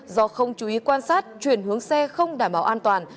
do không chú ý quan sát chuyển hướng xe không đảm bảo an toàn